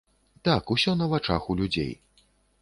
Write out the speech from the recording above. Так, усё на вачах у людзей.